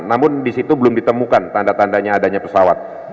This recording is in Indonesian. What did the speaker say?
namun di situ belum ditemukan tanda tandanya adanya pesawat